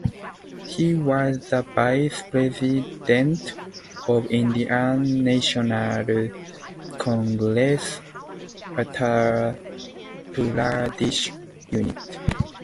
He was the Vice President of Indian National Congress Uttar Pradesh unit.